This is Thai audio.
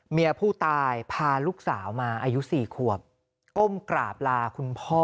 เมียผู้ตายพาลูกสาวมาอายุ๔ขวบก้มกราบลาคุณพ่อ